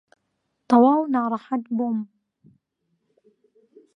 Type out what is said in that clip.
تەواو ناڕەحەت بووم.